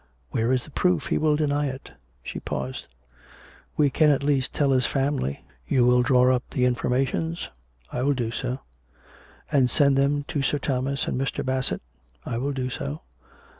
"" Where is the proof .'' He will deny it." She paused. " We can at least tell his family. You will draw up the informations .''"" I will do so." " And send them to Sir Thomas and Mr. Bassett? "" I will do so."